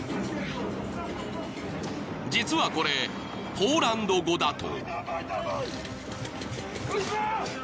［実はこれポーランド語だと］